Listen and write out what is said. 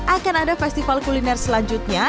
akan ada festival kuliner selanjutnya